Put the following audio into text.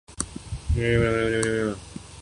اور اس میں مسلمانوں نے رہنا بھی ہے۔